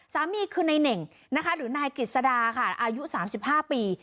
สามีคือนายเน่งนะคะหรือนายกิจสดาค่ะอายุ๓๕ปี